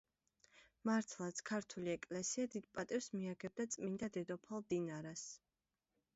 მართლაც, ქართული ეკლესია დიდ პატივს მიაგებდა წმინდა დედოფალ დინარას.